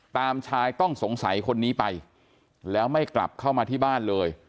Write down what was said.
ตามชายต้องสงสัยคนนี้ไปแล้วไม่กลับเข้ามาที่บ้านเลย